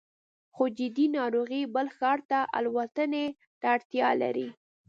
خو جدي ناروغۍ بل ښار ته الوتنې ته اړتیا لري